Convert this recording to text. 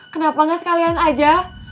kenapa gak sekalian aja